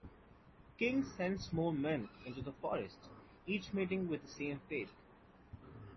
The King sends more men into the forest, each meeting with the same fate.